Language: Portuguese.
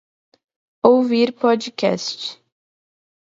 Ouvir podcast